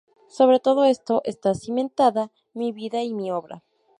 Sobre todo esto está cimentada mi vida y mi obra.